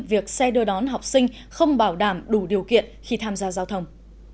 việc xe đưa đón học sinh không bảo đảm đủ điều kiện khi tham gia giao thông